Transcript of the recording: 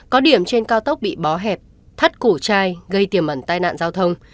có điểm trên cao tốc bị bó hẹp thắt cổ chai gây tiềm ẩn tai nạn giao thông